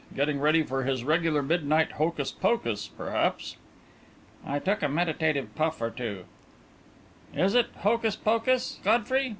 Getting ready for his regular midnight hocus pocus, perhaps!" I took a meditative puff or two. "Is it hocus pocus, Godfrey?"